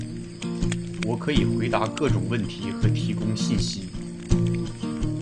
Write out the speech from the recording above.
我可以回答各种问题和提供信息。